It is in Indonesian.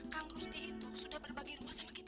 kang rusti itu sudah berbagi rumah sama kita